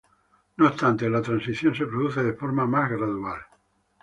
No obstante, la transición se produce de forma más gradual.